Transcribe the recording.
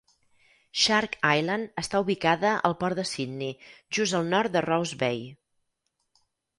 Shark Island està ubicada al port de Sydney, just al nord de Rose Bay.